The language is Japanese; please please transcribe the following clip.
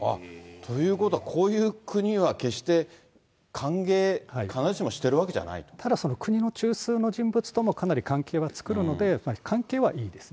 ということは、こういう国は決して歓迎、必ずしもしてるわけただその国の中枢の人物ともかなり関係は作るので、関係はいいですね。